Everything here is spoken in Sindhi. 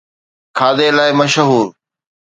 کاڌي لاءِ مشهور